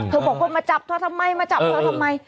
บอกว่ามาจับเธอทำไมมาจับเธอทำไม